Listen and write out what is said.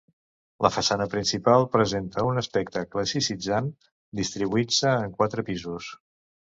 La façana principal presenta un aspecte classicitzant, distribuint-se en quatre pisos.